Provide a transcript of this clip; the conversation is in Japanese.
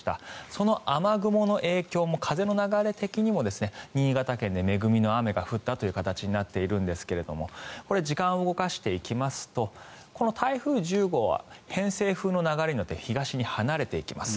その雨雲の影響も風の流れ的にも、新潟県で恵みの雨が降ったという形になっているんですがこれ、時間を動かしていきますとこの台風１０号は偏西風の流れによって東に離れていきます。